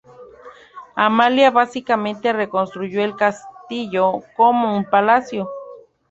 Amalia básicamente reconstruyó el castillo como un palacio.